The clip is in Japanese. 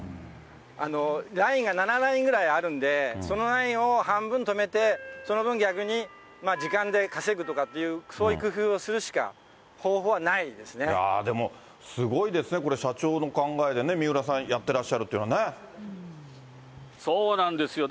ラインが７ラインぐらいあるんで、そのラインを半分止めて、その分逆に時間で稼ぐとかっていう、そういう工夫をするしか方法でも、すごいですね、これ社長の考えでね、三浦さん、やってらっしゃるというのはね。そうなんですよ。